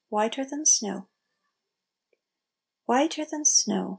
« "WHITER THAN SNOW." "Whiter than snow."